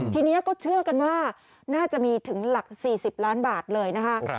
ทีนี้ก็เชื่อกันว่าน่าจะมีถึงหลัก๔๐ล้านบาทเลยนะคะ